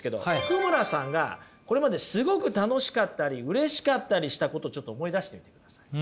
福村さんがこれまですごく楽しかったりうれしかったりしたことちょっと思い出してみてください。